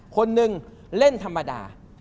คนหนึ่งเล่นธรรมดา